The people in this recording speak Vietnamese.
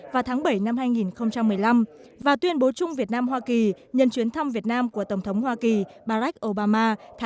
vào tháng bảy năm hai nghìn một mươi năm và tuyên bố chung việt nam hoa kỳ nhân chuyến thăm việt nam của tổng thống hoa kỳ barack obama